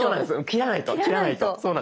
切らないと切らないと。